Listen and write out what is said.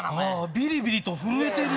ビリビリと震えてるよ。